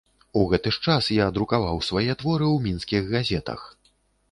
У гэты ж час я друкаваў свае творы ў мінскіх газетах.